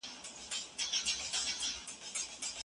موږ ته پکار ده چې همت له لاسه ورنه کړو.